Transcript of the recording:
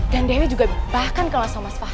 dan dewi juga bahkan kenal sama mas fahri